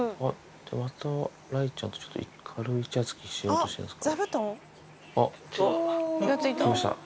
また雷ちゃんとちょっと、軽いいちゃつきしようとしてますか。